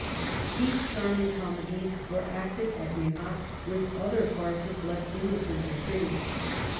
These charming comedies were acted at Nerac, with other farces less innocent and pretty.